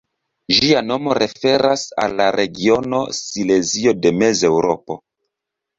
Ĝia nomo referas al la regiono Silezio de Mezeŭropo.